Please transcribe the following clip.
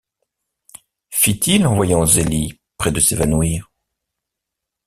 fit-il en voyant Zélie près de s’évanouir.